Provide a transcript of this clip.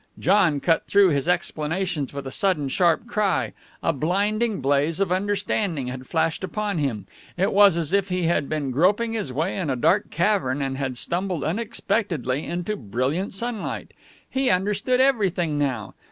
John cut through his explanations with a sudden sharp cry. A blinding blaze of understanding had flashed upon him. It was as if he had been groping his way in a dark cavern and had stumbled unexpectedly into brilliant sunlight. He understood everything now.